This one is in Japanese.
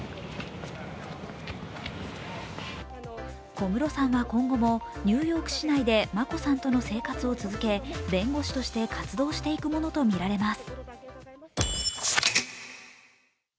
小室さんは今後もニューヨーク市内で眞子さんとの生活を続け、弁護士として活動していくものとみられます。